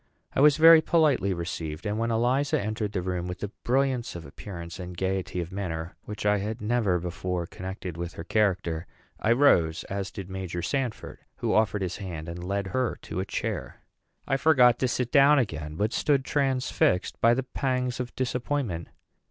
I was very politely received; and when Eliza entered the room with a brilliance of appearance and gayety of manner which I had never before connected with her character, I rose, as did Major Sanford, who offered his hand and led her to a chair. I forgot to sit down again, but stood transfixed by the pangs of disappointment.